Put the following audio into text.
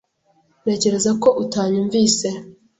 Ntekereza ko utanyumvise.